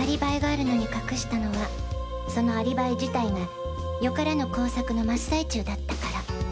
アリバイがあるのに隠したのはそのアリバイ自体がよからぬ工作の真っ最中だったから。